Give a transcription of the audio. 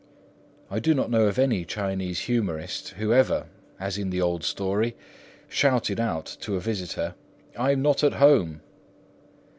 I do not know of any Chinese humorist who ever, as in the old story, shouted out to a visitor, "I am not at home."